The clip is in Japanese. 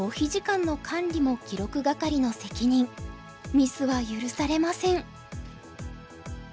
ミスは許されません。